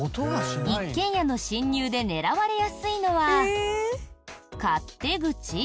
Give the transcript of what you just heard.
一軒家の侵入で狙われやすいのは勝手口？